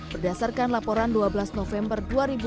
berdasarkan laporan dua belas november dua ribu dua puluh